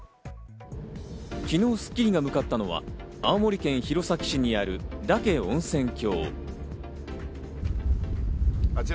昨日『スッキリ』が向かったのは青森県弘前市にある嶽温泉郷。